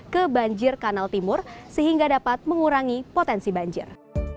ke banjir kanal timur sehingga dapat mengurangi potensi banjir